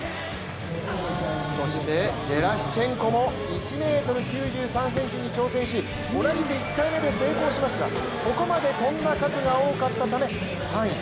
そして、ゲラシチェンコも１ｍ９３ｃｍに挑戦し同じく１回目で成功しますがここまで跳んだ数が多かったため３位。